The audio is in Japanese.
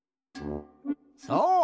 そう！